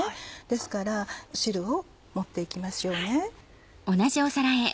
ですから汁を盛って行きましょうね。